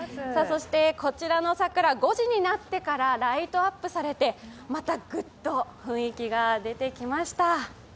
こちらの桜、５時になってからライトアップされてまたぐっと雰囲気が出てきました。